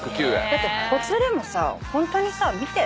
だってほつれもさホントに見て。